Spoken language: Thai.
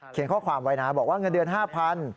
ข้อความไว้นะบอกว่าเงินเดือน๕๐๐บาท